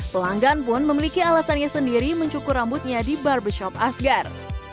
pelanggan pun memiliki alasannya sendiri mencukur rambutnya di barbershop asgar